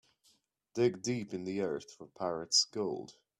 Dig deep in the earth for pirate's gold.